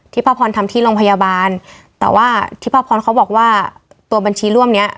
พ่อพรทำที่โรงพยาบาลแต่ว่าที่พ่อพรเขาบอกว่าตัวบัญชีร่วมเนี้ย